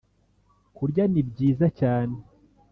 Kurya ni byiza cyane